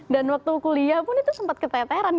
dan waktu kuliah pun itu sempat keteteran